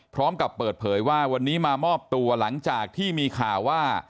พร้อมกับเปิดเผยว่าวันนี้มามอบตัวหลังจากที่มีข่าวว่า